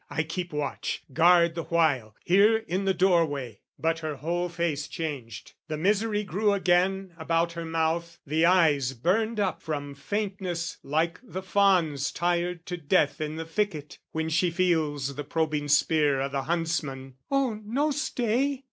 I keep watch, guard the while "Here in the doorway." But her whole face changed, The misery grew again about her mouth, The eyes burned up from faintness, like the fawn's Tired to death in the thicket, when she feels The probing spear o' the huntsman. "Oh, no stay!"